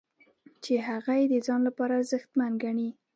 چې هغه یې د ځان لپاره ارزښتمن ګڼي.